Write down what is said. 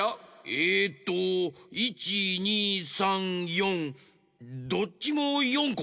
えっと１２３４どっちも４こ？